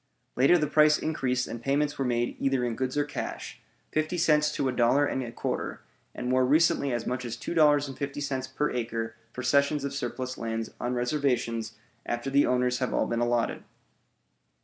Later the price increased and payments were made either in goods or cash; fifty cents to a dollar and a quarter, and more recently as much as $2.50 per acre for cessions of surplus lands on reservations after the owners have all been allotted.